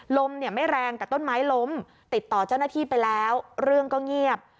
ลมเนี่ยไม่แรงแต่ต้นไม้ล้มติดต่อเจ้าหน้าที่ไปแล้วเรื่องก็เงียบ